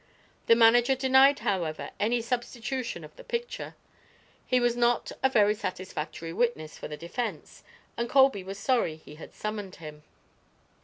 The manager denied, however, any substitution of the picture. He was not a very satisfactory witness for the defense and Colby was sorry he had summoned him.